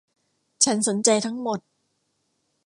ฉันสนใจทั้งหมด